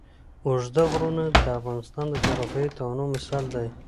اوږده غرونه د افغانستان د جغرافیوي تنوع مثال دی.